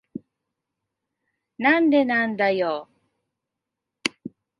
なんでなんだよ。